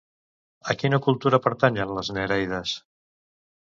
A quina cultura pertanyien les nereides?